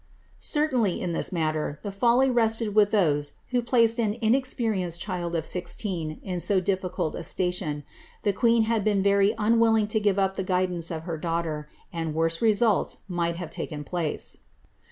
'' Certainly, m this matter, the follj rested with those who placed an inexperienced child of sixteen in so difficult a station ; the queen had been very unwilling to give np the guidance of her daughter, and worse results might have taken place.